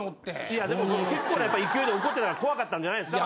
いやでも結構な勢いで怒ってたら怖かったんじゃないですか？